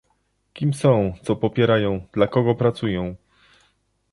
kim są, co popierają, dla kogo pracują